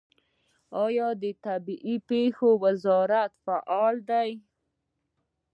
آیا د طبیعي پیښو وزارت فعال دی؟